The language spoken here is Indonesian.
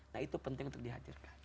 nah itu penting untuk dihadirkan